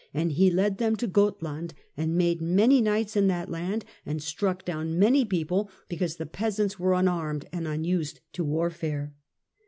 And he led them to Gothland, and made many knights in that land, and struck down many people, because the peasants were unarmed and unused to warfare."